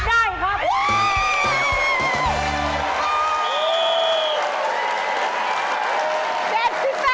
ได้ครับ